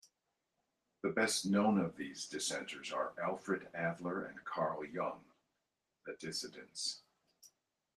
'The best-known of these dissenters are Alfred Adler and Carl Jung...The Dissidents'.